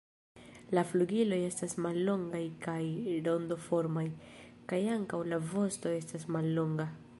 La flugiloj estas mallongaj kaj rondoformaj, kaj ankaŭ la vosto estas mallonga.